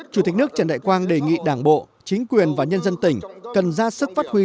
chủ tịch nước trần đại quang đề nghị đảng bộ chính quyền và nhân dân tỉnh cần ra sức phát huy